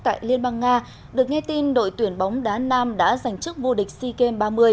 tại liên bang nga được nghe tin đội tuyển bóng đá nam đã giành chức vua địch sea games ba mươi